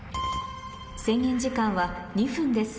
制限時間は２分です